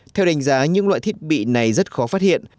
theo đánh giá những loại thiết bị này rất khó phát hiện